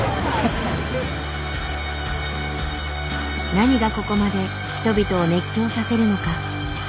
何がここまで人々を熱狂させるのか。